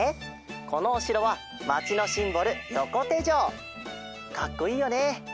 このおしろはまちのシンボルかっこいいよね！